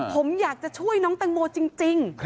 ผมอยากจะช่วยน้องแตงโมจริง